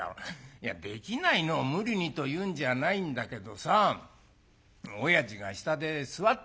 「いやできないのを無理にというんじゃないんだけどさおやじが下で座ってるんだよ。